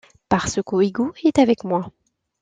Parce que Hugo est avec moi.